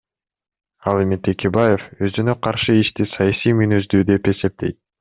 Ал эми Текебаев өзүнө каршы ишти саясий мүнөздүү деп эсептейт.